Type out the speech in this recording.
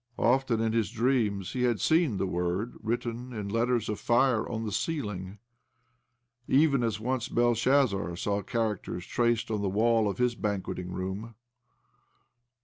Often in his dreams had he seen the word written in letters of fire on the ceiling, even as once Belshazzar saw characters traced on the wall of his banqueting room.